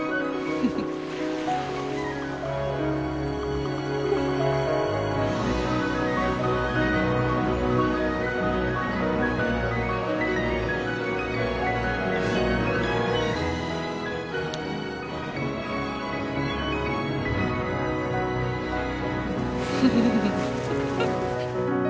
フフフフフ。